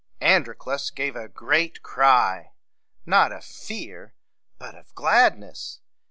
Androclus gave a great cry, not of fear, but of gladness.